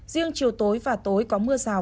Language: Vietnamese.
riêng chiều tối và tối có mưa rào